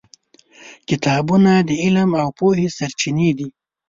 کتابونه د علم او پوهې سرچینې دي.